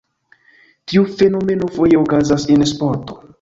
Tiu fenomeno foje okazas en sporto.